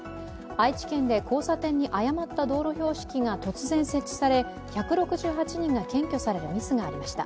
愛知県で交差点に誤った道路標識が突然設置され、１６８人が検挙されるミスがありました。